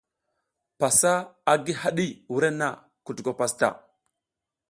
Pasa a gi haɗi wurenna, kutuko pasta.